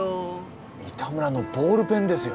三田村のボールペンですよ。